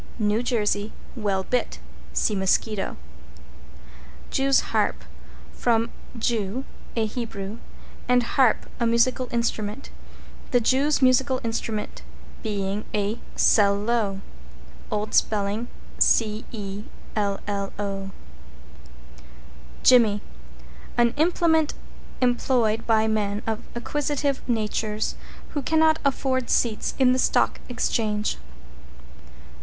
=NEW JERSEY= Well bit. (See Mosquito). =JEW'S HARP= From Jew, a Hebrew, and Harp, a musical instrument, the Jew's musical instrument being a "Sell low!" (Old spelling, Cello). =JIMMY= An implement employed by men of acquisitive natures who cannot afford seats in the Stock Exchange.